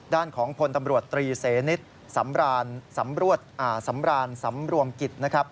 ด้านของพลตำรวจตรีเสนิศสำรานสำรวจอ่าสำรานสำรวมกิจ